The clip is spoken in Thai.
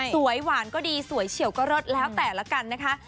หวานก็ดีสวยเฉียวก็เลิศแล้วแต่ละกันนะคะ